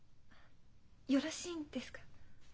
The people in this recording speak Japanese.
よろしいんですか？